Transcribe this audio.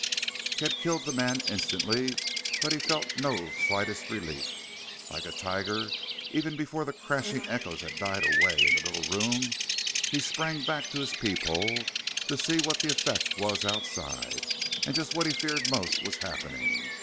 He had killed the man instantly, but he felt no slightest relief. Like a tiger even before the crashing echoes had died away in the little room he sprang back to his peep hole to see what the effect was outside. And just what he feared most was happening.